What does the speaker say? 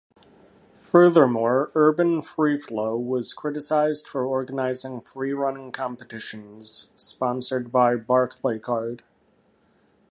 Furthermore, Urban Freeflow was criticized for organizing freerunning competitions sponsored by Barclaycard.